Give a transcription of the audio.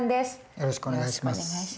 よろしくお願いします。